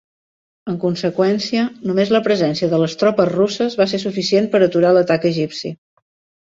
En conseqüència, només la presència de les tropes russes va ser suficient per aturar l'atac egipci.